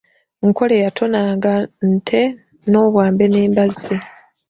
Nkole yatonanga nte n'obwambe n'embazzi.